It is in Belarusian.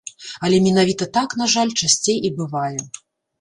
Але менавіта так, на жаль, часцей і бывае.